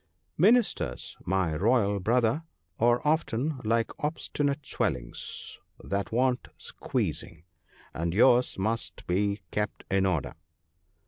Ministers, my royal brother, are often like obstinate swellings that want squeezing, and yours must be kept in order.'